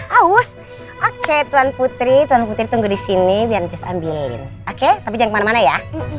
haus oke tuan putri tuan putri tunggu di sini biar nanti sambilin oke tapi jangan kemana mana ya